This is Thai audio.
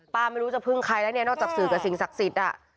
ไม่รู้จะพึ่งใครแล้วเนี่ยนอกจากสื่อกับสิ่งศักดิ์สิทธิ์